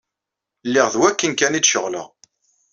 Lliɣ d wakken kan i d-ceɣleɣ.